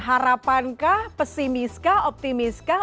harapankah pesimiskah optimiskah